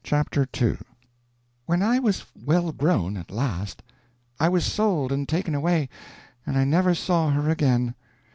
CHAPTER II When I was well grown, at last, I was sold and taken away, and I never saw her again.